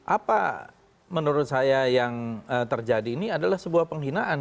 apa menurut saya yang terjadi ini adalah sebuah penghinaan